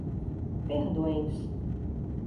Perdões